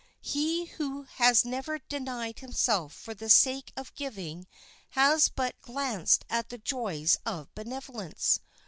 He who has never denied himself for the sake of giving has but glanced at the joys of benevolence.